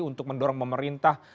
untuk mendorong pemerintah